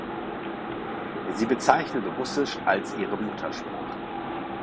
Sie bezeichnet Russisch als ihre Muttersprache.